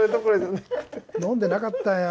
飲んでなかったよ。